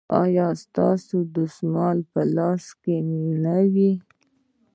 ایا ستاسو دستمال به په لاس نه وي؟